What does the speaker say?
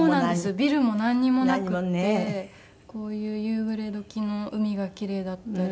ビルもなんにもなくってこういう夕暮れ時の海がきれいだったり。